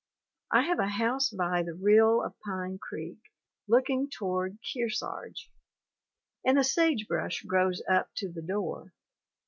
I have a house by the rill of Pine creek, looking toward Kearsarge, and the sage brush grows up to the door.